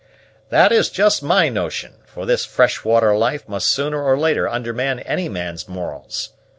"That is just my notion; for this fresh water life must sooner or later undermine any man's morals.